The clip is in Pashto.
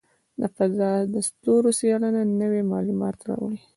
د فضاء د ستورو څېړنه نوې معلومات راوړي.